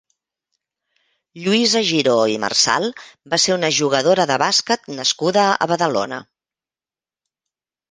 Lluïsa Giró i Marsal va ser una jugadora de bàsquet nascuda a Badalona.